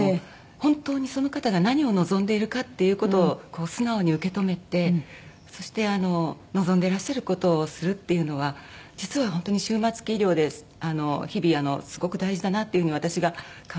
本当にその方が何を望んでいるかっていう事をこう素直に受け止めてそして望んでらっしゃる事をするっていうのは実は本当に終末期医療で日々すごく大事だなっていう風に私が感じている事です。